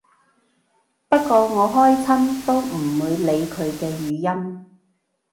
不過我開親都唔會理佢嘅語音